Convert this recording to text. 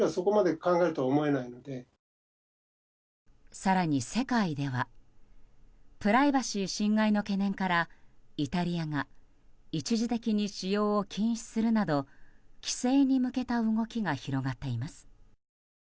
更に、世界ではプライバシー侵害の懸念からイタリアが一時的に使用を禁止するなど規制に向けた動きが広がっています。